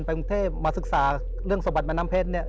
กรุงเทพมาศึกษาเรื่องสะบัดแม่น้ำเพชรเนี่ย